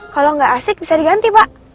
hah kalau enggak asik bisa diganti pak